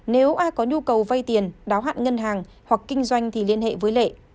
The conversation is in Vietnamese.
nếu ai có nhu cầu vay tiền đáo hạn ngân hàng hoặc kinh doanh thì liên hệ với lệ